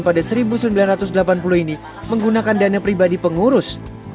pada seribu sembilan ratus delapan puluh ini menggunakan dana pribadi pengurus